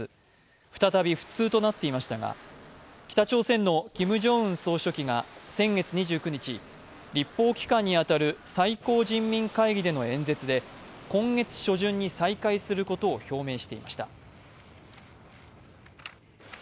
再び不通となっていましたが、北朝鮮のキム・ジョンウン総書記が先月２９日、立法機関に当たる最高人民会議の演説で今月初旬に再開することを表明していました。